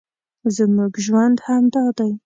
زموږ ژوند همدا دی